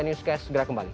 newscast segera kembali